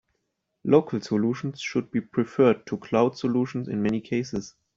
Local solutions should be preferred to cloud solutions in many cases.